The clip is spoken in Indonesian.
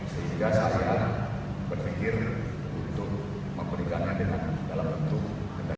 saya berpikir untuk memberikan adanya dalam bentuk kendaraan